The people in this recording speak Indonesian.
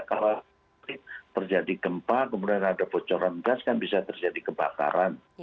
kalau terjadi gempa kemudian ada bocoran gas kan bisa terjadi kebakaran